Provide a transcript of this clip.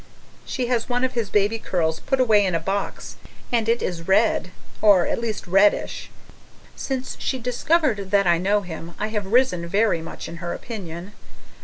She has one of his baby curls put away in a box, and it is red or at least reddish! Since she discovered that I know him, I have risen very much in her opinion.